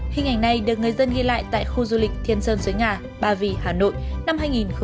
hình ảnh này được người dân ghi lại tại khu du lịch thiên sơn sới ngà ba vì hà nội năm hai nghìn một mươi bảy